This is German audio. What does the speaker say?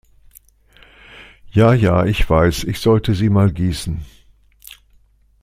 Ja ja, ich weiß. Ich sollte sie mal gießen.